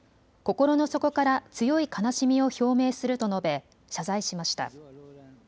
心の底から強い悲しみを表明すると述べ謝罪しました。